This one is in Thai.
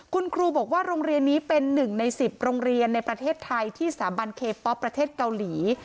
คุณครูบอกว่าโรงเรียนนี้เป็น๑ใน๑๐โรงเรียนในประเทศไทยที่สถาบันเคป๊อปประเทศเกาหลี